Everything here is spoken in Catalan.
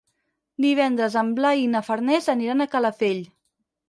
Divendres en Blai i na Farners aniran a Calafell.